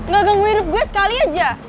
gak nunggu hidup gue sekali aja